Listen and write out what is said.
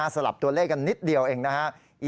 สลับตัวเลขกันนิดเดียวเองนะครับ